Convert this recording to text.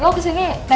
lo udah jual sih youth